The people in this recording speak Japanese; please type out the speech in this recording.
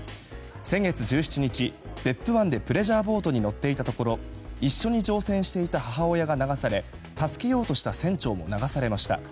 先月１７日、別府湾でプレジャーボートに乗っていたところ一緒に乗船していた母親が流され助けようとした船長も流されました。